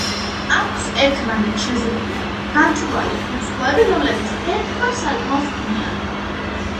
აქვს ერთმანეთს შეზრდილი, გამჭვირვალე ქუთუთოები, რომლებიც ერთგვარ „სარკმელს“ ქმნიან.